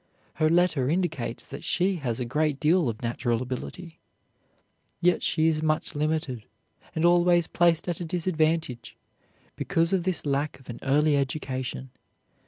Her letter indicates that she has a great deal of natural ability. Yet she is much limited and always placed at a disadvantage because of this lack of an early education.